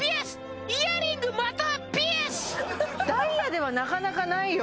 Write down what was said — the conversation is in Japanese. ダイヤではなかなかないよ